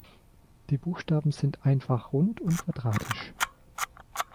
Die Buchstaben sind einfach rund und quadratisch.